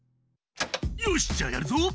よしじゃあやるぞ。